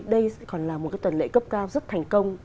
đây còn là một cái tuần lệ cấp cao rất thành công